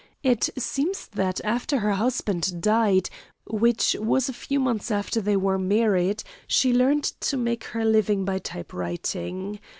It seems that after her husband died, which was a few months after they were married, she learned to make her living by typewriting.